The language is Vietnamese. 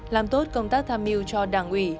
làm tốt công tác tham mưu cho đảng ủy